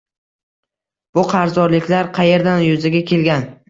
Bu qarzdorliklar qayerdan yuzaga kelgan?